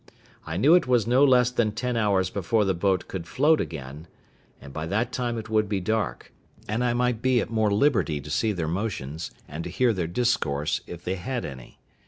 I knew it was no less than ten hours before the boat could float again, and by that time it would be dark, and I might be at more liberty to see their motions, and to hear their discourse, if they had any.